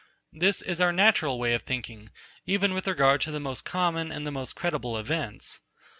This is our natural way of thinking, even with regard to the most common and most credible events.